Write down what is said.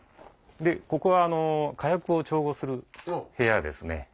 ここは火薬を調合する部屋ですね。